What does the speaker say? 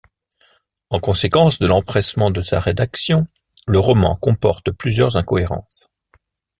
En conséquence de l'empressement de sa rédaction, le roman comporte plusieurs incohérences.